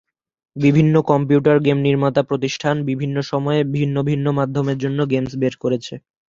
বিভিন্ন computer game নির্মাতা প্রতিষ্ঠান বিভিন্ন সময়ে ভিন্ন ভিন্ন মাধ্যমের জন্য গেমস বের করেছে।